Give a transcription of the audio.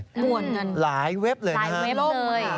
หม่วนกันหลายเว็บเลยนะครับหลายเว็บเลย